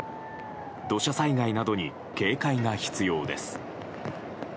土砂災害などに警戒が必要です。